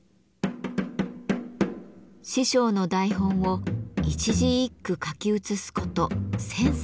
師匠の台本を一字一句書き写すこと１，０００冊。